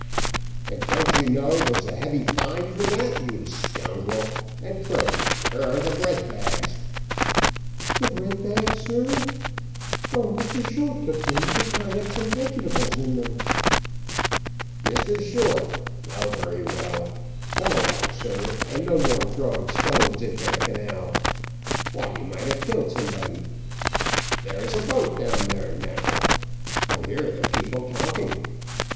"And don't you know there is heavy fine for that, you scoundrel? And pray where are the bread bags?" "The bread bags, sir? Oh, Mr Short took them to tie up some vegetables in them." "Mr Short! O, very well. Come along, sir, and no more throwing stones into the canal; why you might have killed somebody there is a boat down there now, I hear the people talking."